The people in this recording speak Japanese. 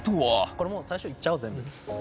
これもう最初にいっちゃおう全部。